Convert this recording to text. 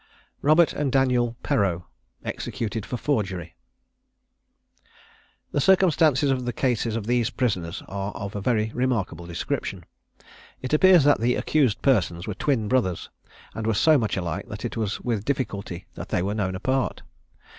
ROBERT AND DANIEL PERREAU. EXECUTED FOR FORGERY. The circumstances of the cases of these prisoners are of a very remarkable description. It appears that the accused persons were twin brothers, and were so much alike that it was with difficulty that they were known apart.